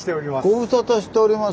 ご無沙汰しております